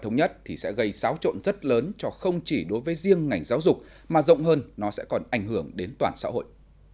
thống nhất thì sẽ gây xáo trộn rất lớn cho không chỉ đối với riêng ngành giáo dục mà rộng hơn nó sẽ còn ảnh hưởng đến toàn xã hội